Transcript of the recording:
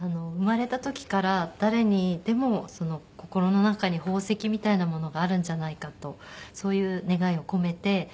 生まれた時から誰にでも心の中に宝石みたいなものがあるんじゃないかとそういう願いを込めて。